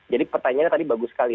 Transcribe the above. jadi pertanyaannya tadi bagus sekali